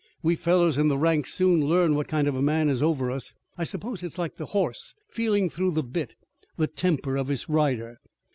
We fellows in the ranks soon learn what kind of a man is over us. I suppose it's like the horse feeling through the bit the temper of his rider.